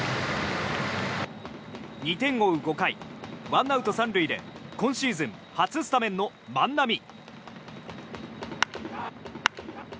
２点を追う５回１アウト３塁で今シーズン初スタメンの万波。